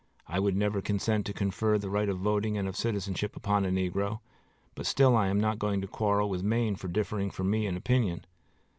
I would never consent to confer the right of voting and of citizenship upon a negro, but still I am not going to quarrel with Maine for differing from me in opinion.